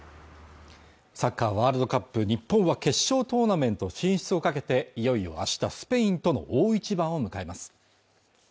サッカーワールドカップ日本は決勝トーナメント進出をかけていよいよ明日スペインとの大一番を迎えます